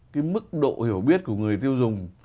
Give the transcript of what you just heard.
cái mức độ hiểu biết của người tiêu dùng